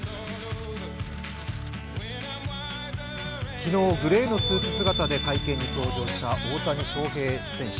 昨日、グレーのスーツ姿で会見に登場した大谷翔平選手。